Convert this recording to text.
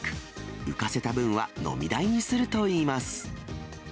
浮かせた分は飲み代にするといいます。